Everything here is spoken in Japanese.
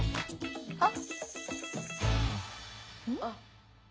あっ！